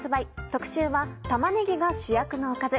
特集は「玉ねぎが主役のおかず」。